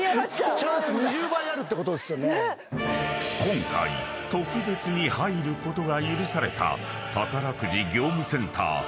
［今回特別に入ることが許された宝くじ］